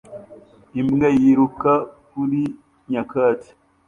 Imbwa yiruka kuri nyakatsi